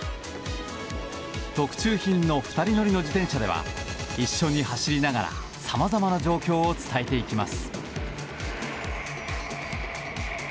特注品の二人乗りの自転車では一緒に走りながらさまざまな状況を伝えていきます。